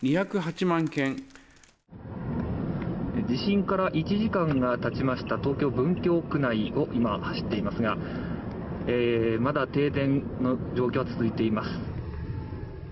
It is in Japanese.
地震から１時間がたちました東京・文京区内を今、走っていますがまだ停電の状況は続いています。